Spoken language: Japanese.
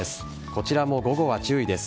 こちらも午後は注意です。